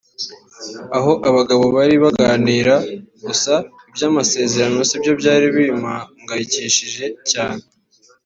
Aho abagabo bari baraganira gusa iby’amasezerano sibyo byari bimpamgayikishije cyane